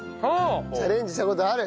チャレンジした事ある。